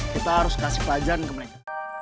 kita harus kasih pajan ke mereka